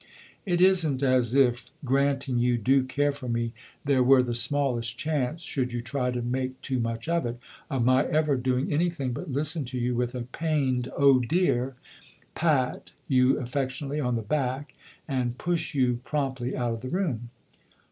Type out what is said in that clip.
It isn't as if, granting you do care for me, there were the smallest chance, should you try to make too much of it, of my ever doing anything but listen to you with a pained ' Oh, dear !' pat you affectionately on the back and push you promptly out of the room."